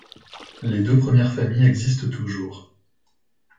Les deux premières familles existent toujours.